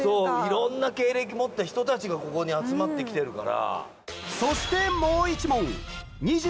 いろんな経歴持った人たちがここに集まってきてるから。